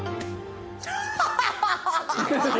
ハッハハハ！